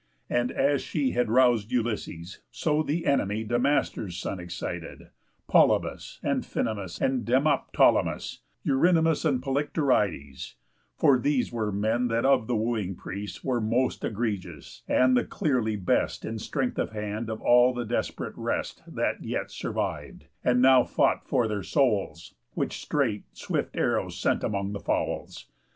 And as she Had rous'd Ulysses; so the enemy Damastor's son excited, Polybus, Amphinomus, and Demoptolemus, Eurynomus, and Polyctorides; For these were men that of the wooing prease Were most egregious, and the clearly best In strength of hand of all the desp'rate rest That yet surviv'd, and now fought for their souls; Which straight swift arrows sent among the fowls.